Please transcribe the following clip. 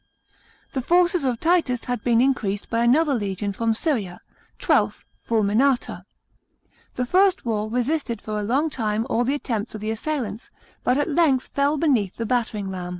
The forces of Titus had been increased by another legion from Syria, XII. Fulminata. The first wall resisted for a long time all the attempts of the assailants, but at length fell beneath the battering ram.